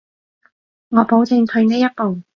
我保證退呢一步